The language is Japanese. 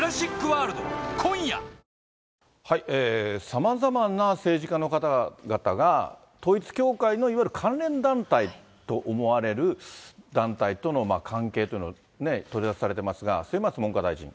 さまざまな政治家の方々が、統一教会のいわゆる関連団体と思われる団体との関係というのを取り沙汰されていますが、末松文科大臣。